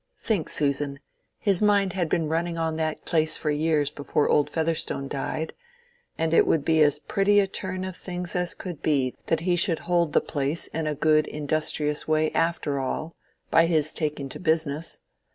Think; Susan! His mind had been running on that place for years before old Featherstone died. And it would be as pretty a turn of things as could be that he should hold the place in a good industrious way after all—by his taking to business.